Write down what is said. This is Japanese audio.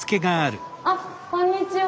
あこんにちは。